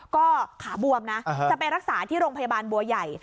ก็ขาบวมนะจะไปรักษาที่โรงพยาบาลบัวใหญ่